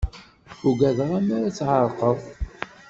Ugadeɣ amar ad tεerqeḍ.